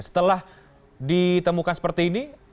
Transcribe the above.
setelah ditemukan seperti ini